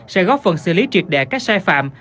sẽ góp phần xử lý triệt đệ các sai phạm